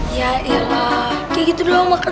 ya iya lah kayak gitu doang maka kecil